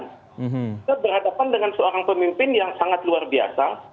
kita berhadapan dengan seorang pemimpin yang sangat luar biasa